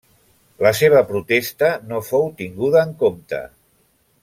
La seva protesta no fou tinguda en compte.